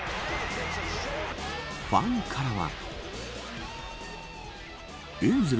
ファンからは。